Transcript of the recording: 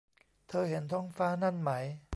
เธอเห็นท้องฟ้านั่นไหม